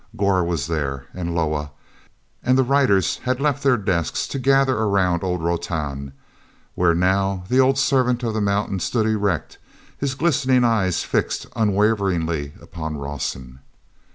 Gor was there, and Loah; and the writers had left their desks to gather around old Rotan, where now the old servant of the mountain stood erect, his glistening eyes fixed unwaveringly upon Rawson.